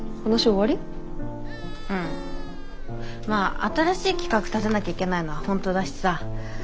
まあ新しい企画立てなきゃいけないのは本当だしさ